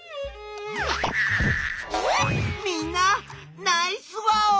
みんなナイスワオ！